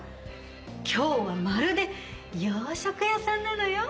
今日はまるで洋食屋さんなのよ。